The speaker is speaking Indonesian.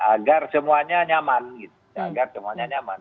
agar semuanya nyaman